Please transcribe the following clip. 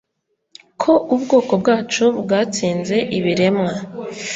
ko ubwoko bwacu bwatsinze ibiremwa